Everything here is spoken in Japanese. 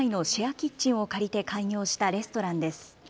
キッチンを借りて開業したレストランです。